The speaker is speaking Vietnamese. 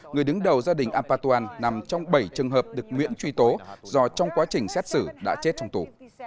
người đứng đầu gia đình ampatuan nằm trong bảy trường hợp được nguyễn truy tố do trong quá trình xét xử đã chết trong tù